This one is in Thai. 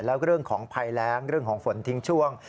แล้วก็เรื่องของภัยแรงเรื่องของฝนทิ้งช่วง